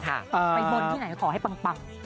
ไปบนที่ไหนขอให้ปัง